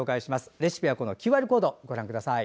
レシピはＱＲコードご覧ください。